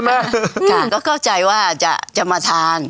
ค่ะก็เข้าใจว่าจะมาทาน